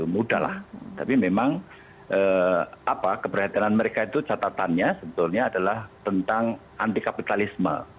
mudah lah tapi memang keberhatian mereka itu catatannya sebetulnya adalah tentang anti kapitalisme